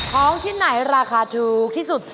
ของชิ้นไหนราคาถูกที่สุด